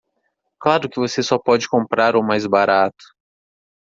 Claro que você só pode comprar o mais barato